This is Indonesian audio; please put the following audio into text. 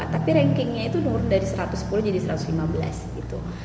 tapi rankingnya itu dari satu ratus sepuluh jadi satu ratus lima belas gitu